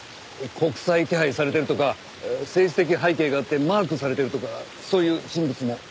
国際手配されてるとか政治的背景があってマークされてるとかそういう人物も？